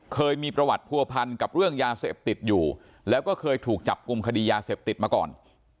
เคยมีประวัติผัวพันกับเรื่องยาเสพติดอยู่แล้วก็เคยถูกจับกลุ่มคดียาเสพติดมาก่อน